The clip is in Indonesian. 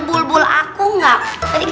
tulanreng ai quedang